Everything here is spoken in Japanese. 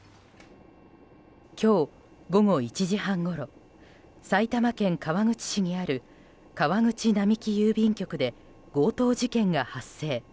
今日午後１時半ごろ埼玉県川口市にある川口並木郵便局で強盗事件が発生。